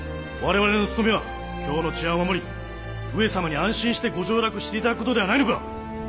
我々の務めは京の治安を守り上様に安心してご上洛して頂く事ではないのか！？